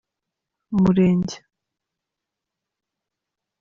umurenge.